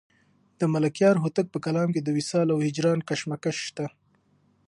د ملکیار هوتک په کلام کې د وصال او هجران کشمکش شته.